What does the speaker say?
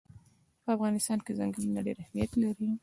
په افغانستان کې ځنګلونه ډېر اهمیت لري.